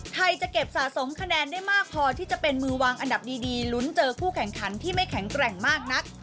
จะเก็บสะสมคะแนนได้มากพอที่จะเป็นมือวางอันดับดีลุ้นเจอผู้แข่งขันที่ไม่แข็งแกร่งมากนัก